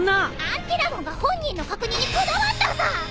アンティラモンが本人の確認にこだわったさ！